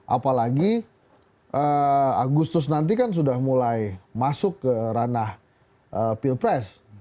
apalagi agustus nanti kan sudah mulai masuk ke ranah pilpres